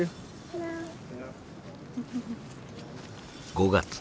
５月。